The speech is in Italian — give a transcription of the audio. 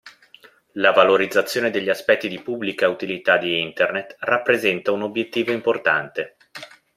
La valorizzazione degli aspetti di pubblica utilità di Internet rappresenta un obiettivo importante.